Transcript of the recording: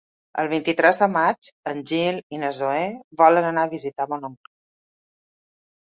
El vint-i-tres de maig en Gil i na Zoè volen anar a visitar mon oncle.